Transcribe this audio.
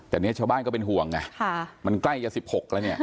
แต่เนี้ยเช้าบ้านก็เป็นห่วงน่ะค่ะมันใกล้กับ๑๖เนี่ย